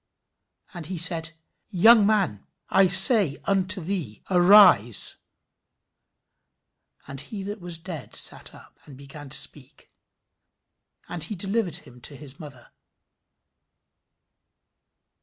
And he said, Young man, I say unto thee, Arise. And he that was dead sat up, and began to speak. And he delivered him to his mother."